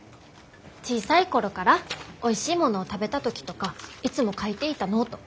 小さい頃からおいしいものを食べた時とかいつも書いていたノート。